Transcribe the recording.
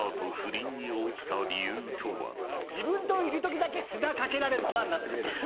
自分といるときだけ砂かけられババアになってくれる。